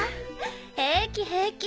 平気平気！